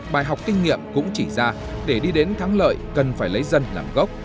bài học kinh nghiệm cũng chỉ ra để đi đến thắng lợi cần phải lấy dân làm gốc